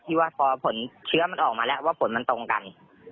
ที่ว่าพอผลเชื้อมันออกมาแล้วว่าผลมันตรงกัน